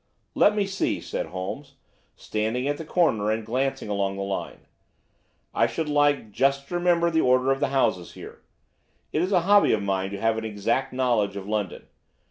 "Let me see," said Holmes, standing at the corner and glancing along the line, "I should like just to remember the order of the houses here. It is a hobby of mine to have an exact knowledge of London.